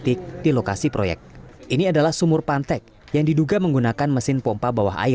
tidak ada pihak proyek yang berwenang untuk diminta konfirmasi